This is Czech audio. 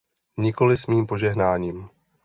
Nikoli s mým požehnáním.